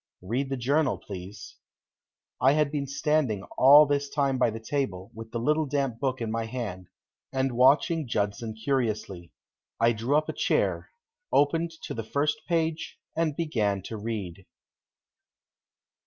Read the journal, please." I had been standing all this time by the table, with the little damp book in my hand, and watching Judson curiously. I drew up a chair, opened to the first page and began to read.